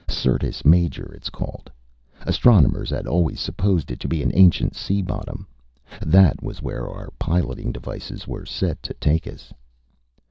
Syrtis Major, it is called. Astronomers had always supposed it to be an ancient sea bottom. That was where our piloting devices were set to take us.